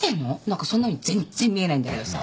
何かそんなふうに全然見えないんだけどさ。